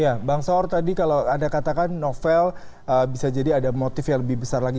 ya bang saur tadi kalau anda katakan novel bisa jadi ada motif yang lebih besar lagi